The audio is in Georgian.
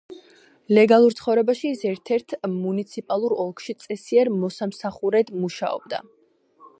ლეგალურ ცხოვრებაში ის ერთ–ერთ მუნიციპალურ ოლქში წესიერ მოსამსახურედ მუშაობდა.